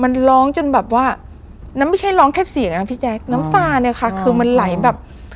มันร้องจนแบบว่ามันไม่ใช่ร้องแค่เสียงนะพี่แจ๊คน้ำตาเนี่ยค่ะคือมันไหลแบบ